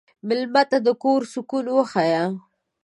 مېلمه ته د کور سکون وښیه.